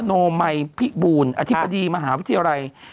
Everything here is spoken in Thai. โนมัยพิบูลอธิบดีมหาวิทยาลัย